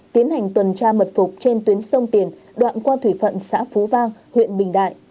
tiến hành tuần tra mật phục trên tuyến sông tiền đoạn qua thủy phận xã phú vang huyện bình đại